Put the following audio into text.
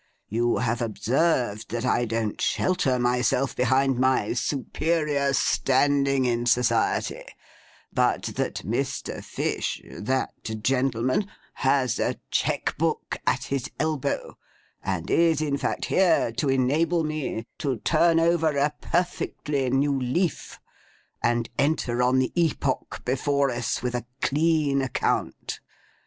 You have observed that I don't shelter myself behind my superior standing in society, but that Mr. Fish—that gentleman—has a cheque book at his elbow, and is in fact here, to enable me to turn over a perfectly new leaf, and enter on the epoch before us with a clean account.